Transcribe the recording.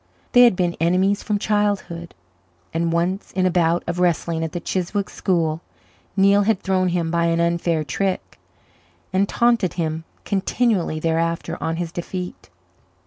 They had been enemies from childhood, and once in a bout of wrestling at the Chiswick school Neil had thrown him by an unfair trick and taunted him continually thereafter on his defeat.